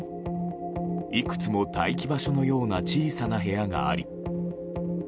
いくつも待機場所のような小さな部屋があり。